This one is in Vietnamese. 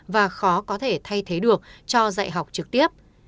và khó có thể thay thế được cho dạy học trực tiếp